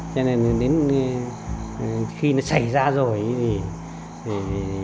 cho nên đến khi nó xảy ra rồi thì